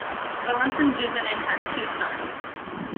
Valentin Dubinin has two sons.